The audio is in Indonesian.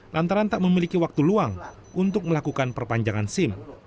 lantaran tak memiliki waktu luang untuk melakukan perpanjangan sim